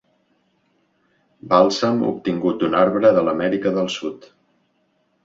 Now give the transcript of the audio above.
Bàlsam obtingut d'un arbre de l'Amèrica del Sud.